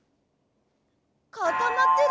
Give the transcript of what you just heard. かたまってる？